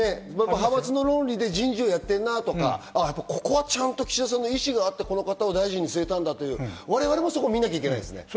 派閥の論理で人事をやってるなとか、ここはちゃんと岸田さんの意思があってこの方を大臣に据えたんだとか我々も見なきゃいけないですね。